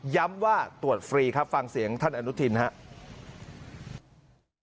ว่าตรวจฟรีครับฟังเสียงท่านอนุทินครับ